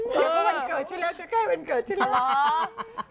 เดี๋ยวก็วันเกิดที่แล้วจะใกล้วันเกิดฉันเหรอ